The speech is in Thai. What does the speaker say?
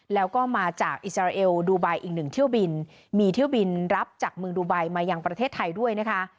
แล้วก็มาจากอิสราเอลดูไบอีกหนึ่งเที่ยวบินมีเที่ยวบินรับจากเมืองดูไบมายังประเทศไทยด้วยนะคะ